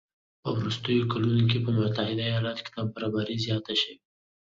په وروستیو کلونو کې په متحده ایالاتو کې نابرابري زیاته شوې